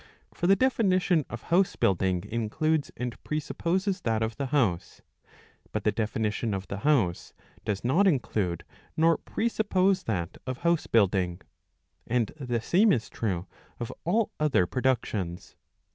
For the definition of house building includes and presupposes that of the house ; but the definition of the house does not include nor presuppose that of house building ; and the same is true of all other productions.